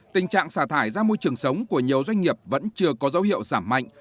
tình trạng xả thải ra môi trường sống của nhiều doanh nghiệp vẫn chưa có dấu hiệu giảm mạnh